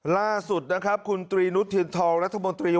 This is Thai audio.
ล่าสุดครับคุณตรีหนุทิลธองรัฐบริษัทธิการ